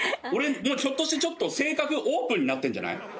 俺ひょっとして性格オープンになってんじゃない？